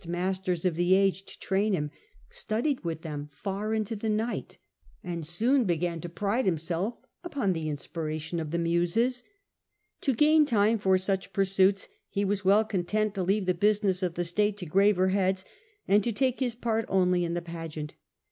Nero. 103 masters of the age to train him, studied with them far into the night, and soon began to pride himself upon the inspiration of the Muses. To gain time for such pursuits he was well content to leave the business of state to graver heads, and to take his part only in the pageant.